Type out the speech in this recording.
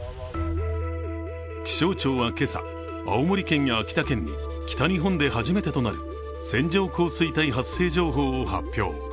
気象庁は今朝、青森県や秋田県に、北日本で初めてとなる線状降水帯発生情報を発表。